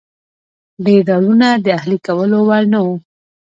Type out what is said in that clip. ډېر ډولونه د اهلي کولو وړ نه وو.